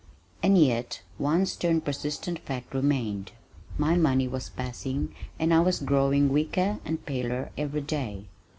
And yet one stern persistent fact remained, my money was passing and I was growing weaker and paler every day.